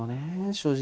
正直。